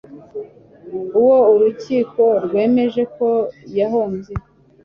uwo urukiko rwemeje ko yahombye